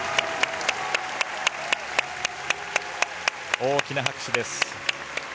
大きな拍手です。